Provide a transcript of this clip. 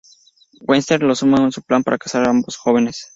Western lo suma a su plan para casar a ambos jóvenes.